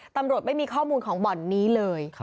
ตำรวจไม่มีข้อมูลของบ่อนนี้เลย